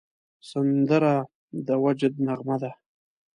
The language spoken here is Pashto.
سندره د وجد نغمه ده